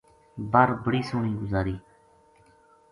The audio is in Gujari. بر بڑی سوہنی گزاری